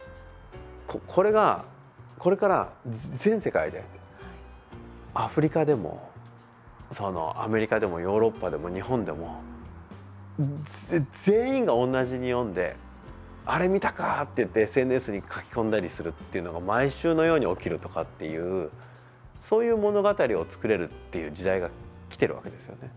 これが、これから全世界でアフリカでも、アメリカでもヨーロッパでも、日本でも全員が同じに読んで「あれ、見たか」っていってＳＮＳに書き込んだりするっていうのが毎週のように起きるとかっていうそういう物語を作れるっていう時代が来てるわけですよね。